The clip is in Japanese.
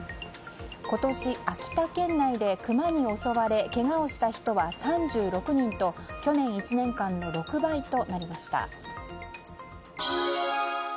今年、秋田県内でクマに襲われけがをした人は３６人と去年１年間の６倍となりました。